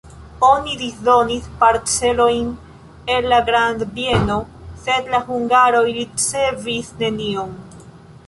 Oni disdonis parcelojn el la grandbieno, sed la hungaroj ricevis nenion.